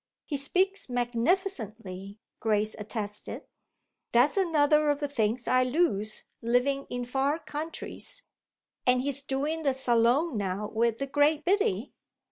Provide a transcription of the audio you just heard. "He speaks magnificently," Grace attested. "That's another of the things I lose, living in far countries. And he's doing the Salon now with the great Biddy?"